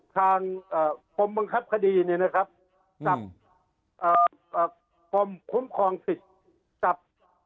ทางอ่าปมบังคับคดีเนี่ยนะครับ